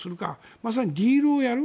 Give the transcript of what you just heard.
まさにディールをやる。